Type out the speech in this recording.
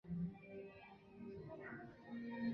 奇迹屋据传为东非首幢通电的建筑。